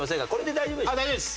大丈夫です。